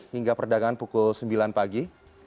hingga perdagangan pukul sembilan pagi